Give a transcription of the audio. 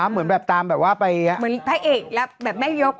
เหมือนตามแบบว่าไปพระเอกแบบแม่ยก